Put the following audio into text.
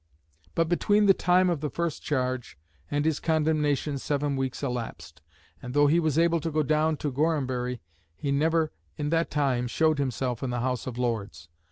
But between the time of the first charge and his condemnation seven weeks elapsed; and though he was able to go down to Gorhambury, he never in that time showed himself in the House of Lords.